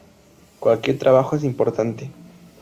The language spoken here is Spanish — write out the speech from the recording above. Cualquier trabajo es importante.